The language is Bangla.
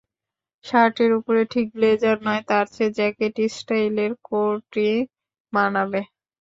শার্টের ওপরে ঠিক ব্লেজার নয়, তার চেয়ে জ্যাকেট স্টাইলের কোটই মানাবে।